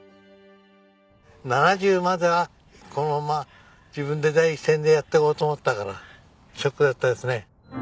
７０まではこのまま自分で第一線でやっていこうと思ったからショックだったですね。